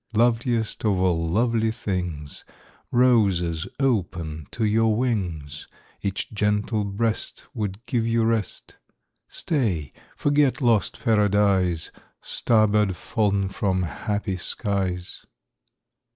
Loveliest of all lovely things, Roses open to your wings; Each gentle breast Would give you rest; Stay, forget lost Paradise, Star bird fallen from happy skies.